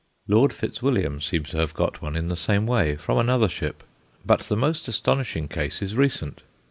Lord Fitzwilliam seems to have got one in the same way, from another ship. But the most astonishing case is recent.